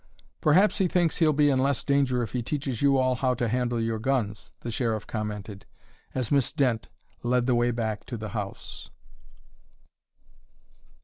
"Perhaps he thinks he'll be in less danger if he teaches you all how to handle your guns," the Sheriff commented, as Miss Dent led the way back to the house.